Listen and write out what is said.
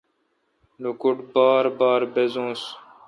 لوکوٹ بار بار بزوس۔